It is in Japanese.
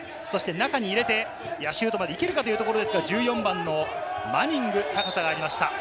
中に入れてシュートまで行けるかというところですが、１４番のマニング、高さがありました。